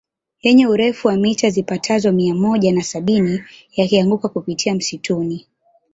Yenye urefu wa mita zipatazo mia moja na sabini yakianguka kupitia msituni